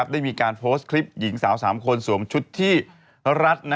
ได้มีการพอสต์คลิปหญิงสาวสามคนสวมหลังจุดที่รัก